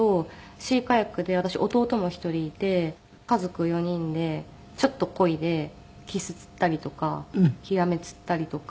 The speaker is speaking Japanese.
シーカヤックで私弟も１人いて家族４人でちょっと漕いでキス釣ったりとかヒラメ釣ったりとか。